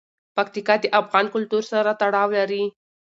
پکتیکا د افغان کلتور سره تړاو لري.